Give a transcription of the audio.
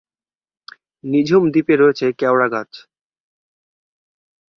নিঝুম দ্বীপে রয়েছে কেওড়া গাছ।